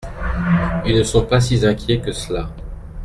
Ils ne sont pas si inquiets que cela.